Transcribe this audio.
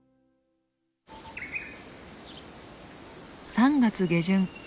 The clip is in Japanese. ３月下旬。